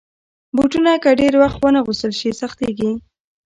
بوټونه که ډېر وخته وانهغوستل شي، سختېږي.